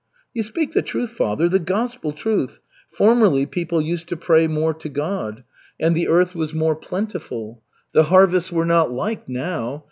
"You speak the truth, Father, the gospel truth. Formerly people used to pray more to God, and the earth was more plentiful. The harvests were not like now.